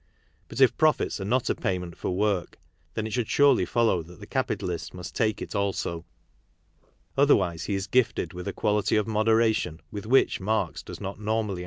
But if profits are not a payment for work then it should surely follow that. the capitalist must take it also ; otherwise he is gifted with a quality of moderation with which Marx does not normally endow him.